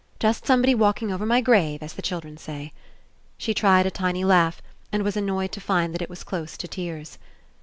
"Just somebody walking over my grave, as the chil dren say." She tried a tiny laugh and was an noyed to find that it was close to tears.